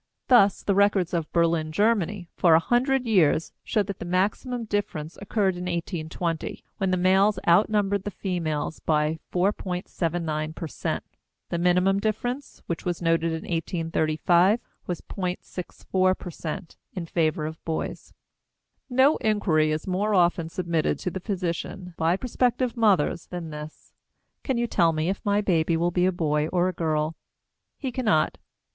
Thus, the records of Berlin, Germany, for a hundred years show that the maximum difference occurred in 1820, when the males outnumbered the females by 4.79 per cent.; the minimum difference, which was noted in 1835, was .64 per cent. in favor of boys. No inquiry is more often submitted to the physician by prospective mothers than this, "Can you tell me if my baby will be a boy or a girl?" He cannot.